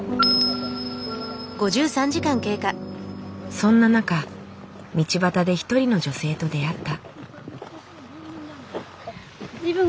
そんな中道端で一人の女性と出会った。